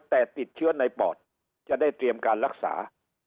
แต่ติดเชื้อในปอดจะได้เตรียมการรักษา